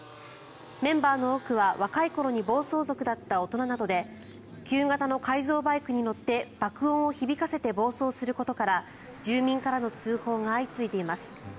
メンバーの多くは若い頃に暴走族だった大人などで旧型の改造バイクに乗って爆音を響かせて暴走することから住民からの通報が相次いでいます。